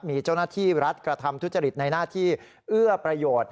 มีเจ้าหน้าที่รัฐกระทำทุจริตในหน้าที่เอื้อประโยชน์